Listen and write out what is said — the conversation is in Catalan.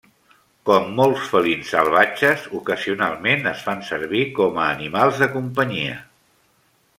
Com molts felins salvatges, ocasionalment es fan servir com a animals de companyia.